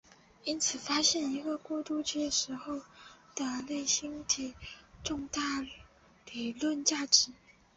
因此发现一个过渡期时候的类星体有重大的理论价值。